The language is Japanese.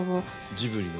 ジブリの。